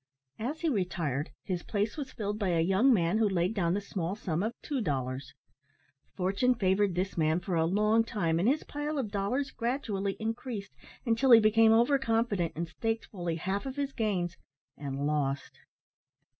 As he retired his place was filled by a young man who laid down the small sum of two dollars. Fortune favoured this man for a long time, and his pile of dollars gradually increased until he became over confident and staked fully half of his gains and lost.